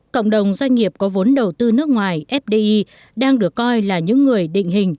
cộng đồng doanh nghiệp có vốn đầu tư nước ngoài fdi đang được coi là những người định hình